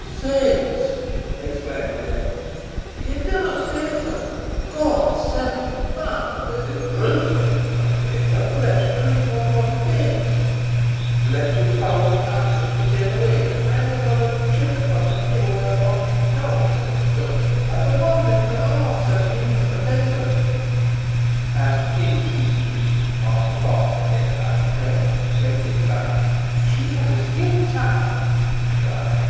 "Save us!" exclaimed James. "Ye dinna say so? God's santie! man, but this is grewsome, and gars the flesh creep on one's banes. Let his foul carcase be taen awa', and hangit on a gibbet on the hill where Malkin Tower aince stood, as a warning to a' sic heinous offenders." As the King ceased speaking, Master Potts appeared out of breath, and greatly excited. "She has escaped, sire!" he cried.